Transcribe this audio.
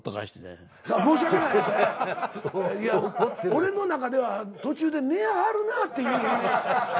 俺の中では途中で寝はるなっていう。